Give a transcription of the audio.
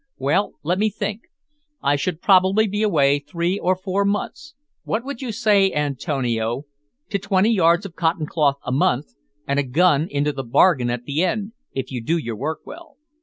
"Well, let me think; I shall probably be away three or four months. What would you say, Antonio, to twenty yards of cotton cloth a month, and a gun into the bargain at the end, if you do your work well?"